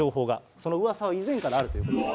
そのうわさは以前からあるというふうに。